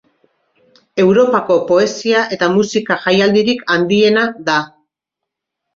Europako poesia eta musika jaialdirik handiena da.